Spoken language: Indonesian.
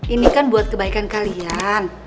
ini kan buat kebaikan kalian